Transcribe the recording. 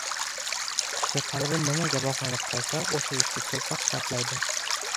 Kishi qalbi nimaga bog‘lanib qolsa, o‘sha ishga ko‘p vaqt sarflaydi